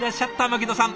牧野さん。